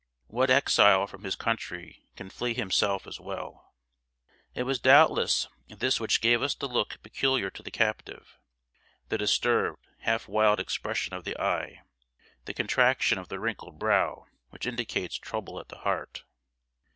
What exile from his country Can flee himself as well? It was doubtless this which gave us the look peculiar to the captive the disturbed, half wild expression of the eye, the contraction of the wrinkled brow which indicates trouble at the heart.